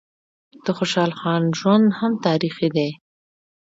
د خوشحال خان ژوند هم تاریخي دی.